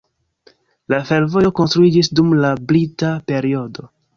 La fervojo konstruiĝis dum la brita periodo.